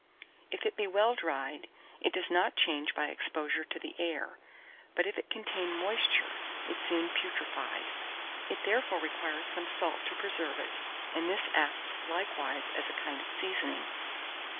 If it be well dried, it does not change by exposure to the air; but if it contain moisture, it soon putrefies. It therefore requires some salt to preserve it, and this acts likewise as a kind of seasoning.